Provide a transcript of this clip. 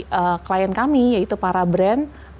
dari klien kami yaitu para brand